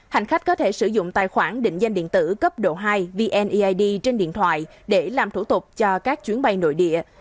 hành khách có thể sử dụng tài khoản định danh điện tử cấp độ hai vneid trên điện thoại để làm thủ tục cho các chuyến bay nội địa